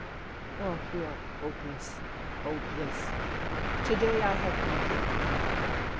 Oh, you are hopeless ... hopeless !... To day I have been thinking.